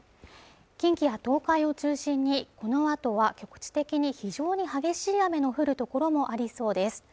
近畿や東海を中心にこのあとは局地的に非常に激しい雨の降る所もありそうです